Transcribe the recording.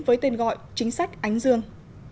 với tên gọi chính sách ánh dương